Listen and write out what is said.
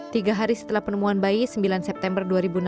tiga hari setelah penemuan bayi sembilan september dua ribu enam belas